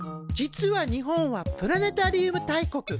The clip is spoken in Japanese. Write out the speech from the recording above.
実は日本はプラネタリウム大国。